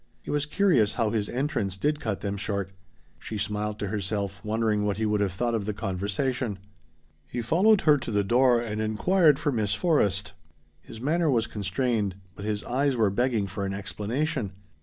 It was curious how his entrance did cut them short. She smiled to herself, wondering what he would have thought of the conversation. He followed her to the door and inquired for Miss Forrest. His manner was constrained, but his eyes were begging for an explanation.